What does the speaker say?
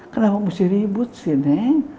kenapa mesti ribut sih neng